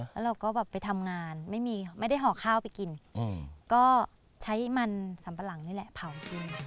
แล้วเราก็แบบไปทำงานไม่มีไม่ได้ห่อข้าวไปกินก็ใช้มันสัมปะหลังนี่แหละเผากิน